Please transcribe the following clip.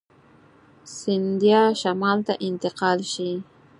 سیندهیا شمال ته انتقال شي.